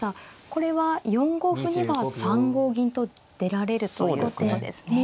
これは４五歩には３五銀と出られるということですね。